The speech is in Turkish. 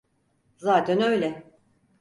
Zaten öyle.